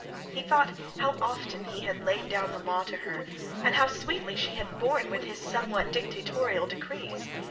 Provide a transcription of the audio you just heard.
He thought how often he had laid down the law to her, and how sweetly she had borne with somewhat dictatorial decrees.